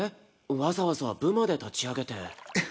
わざわざ部まで立ち上げて。